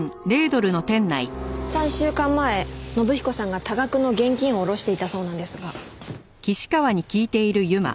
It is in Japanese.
３週間前信彦さんが多額の現金を下ろしていたそうなんですが。